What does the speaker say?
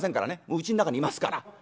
うちん中にいますから。